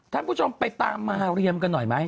ท่านผู้ชมไปตามมาเรียมกันหน่อยไหม